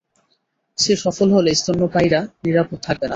সে সফল হলে স্তন্যপায়ীরা নিরাপদ থাকবে না।